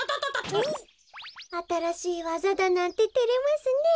あたらしいわざだなんててれますねえ。